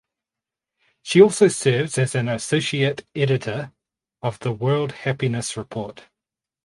She also serves as an associate editor of the World Happiness Report.